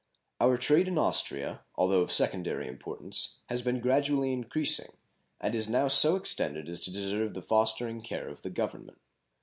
Our trade with Austria, although of secondary importance, has been gradually increasing, and is now so extended as to deserve the fostering care of the Government.